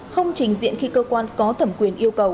không trình diện khi cơ quan có thẩm quyền